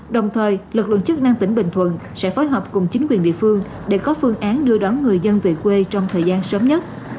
đồng thời lực lượng chức năng tỉnh bình thuận sẽ phối hợp cùng chính quyền địa phương để có phương án đưa đón người dân về quê trong thời gian sớm nhất